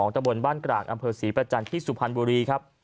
ตะบนบ้านกรากอำเภอศรีประจันทร์ที่สุพรรณบุรีครับ